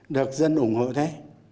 được dân ủng hộ thế